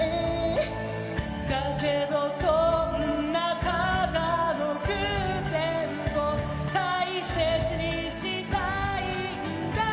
「だけどそんなただの偶然を大切にしたいんだ」